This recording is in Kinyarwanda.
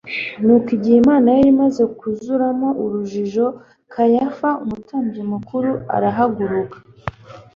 Nuko igihe inama yari imaze kuzuramo urujijo, Kayafa umutambyi mukuru arahaguruka.